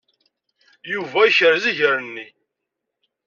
Yuba yekrez iger-nni.